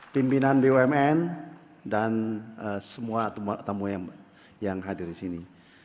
pimpinan bumn dan semua tamu yang hadir disini